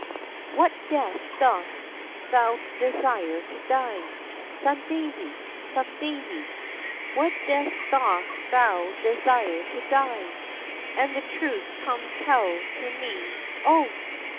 "What death dost thou desire to die? Son Davie! Son Davie! What death dost thou desire to die? And the truth come tell to me, O."